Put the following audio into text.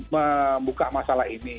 membuka masalah ini